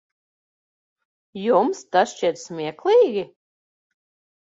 Jums tas šķiet smieklīgi?